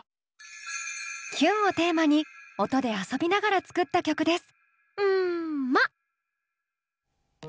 「キュン」をテーマに音で遊びながら作った曲です。